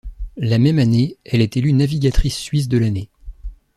La même année, elle est élue navigatrice suisse de l'année.